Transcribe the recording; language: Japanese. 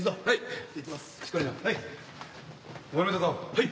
はい。